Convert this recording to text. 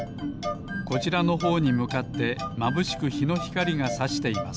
こちらのほうにむかってまぶしくひのひかりがさしています。